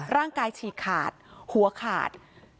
ร่างกายฉีกขาดหัวขาด